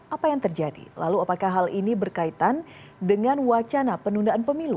apa yang terjadi lalu apakah hal ini berkaitan dengan wacana penundaan pemilu